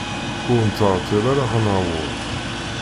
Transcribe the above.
Ur nettɛeṭṭil ara ad naweḍ.